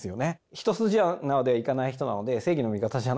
一筋縄ではいかない人なので正義の味方じゃないんで。